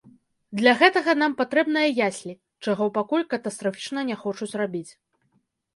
Для гэтага нам патрэбныя яслі, чаго пакуль катастрафічна не хочуць рабіць.